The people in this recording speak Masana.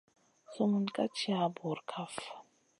Sumun ka tiya bura kaf.